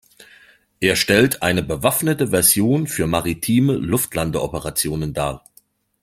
Er stellt eine bewaffnete Version für maritime Luftlandeoperationen dar.